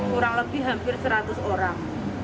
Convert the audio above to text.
kurang lebih hampir seratus orang